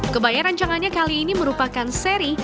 kebaya rancangannya kali ini merupakan seri